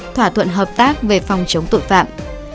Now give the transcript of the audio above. thỏa thuận hợp tác về phòng chống tội phạm